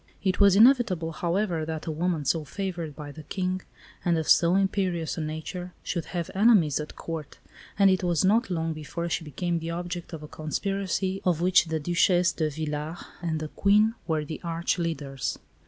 It was inevitable, however, that a woman so favoured by the King, and of so imperious a nature, should have enemies at Court; and it was not long before she became the object of a conspiracy of which the Duchesse de Villars and the Queen were the arch leaders.